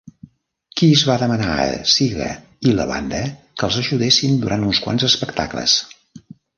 Kiss va demanar a Seger i la banda que els ajudessin durant uns quants espectacles.